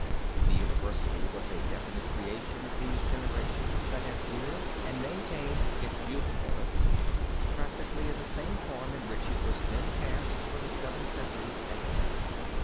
The university was a definite creation of these generations that has lived and maintained its usefulness practically in the same form in which it was then cast for the seven centuries ever since.